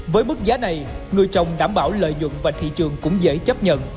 với mức giá này người chồng đảm bảo lợi dụng và thị trường cũng dễ chấp nhận